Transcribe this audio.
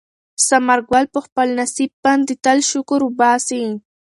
ثمر ګل په خپل نصیب باندې تل شکر وباسي.